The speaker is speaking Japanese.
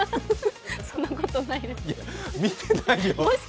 そんなことないです。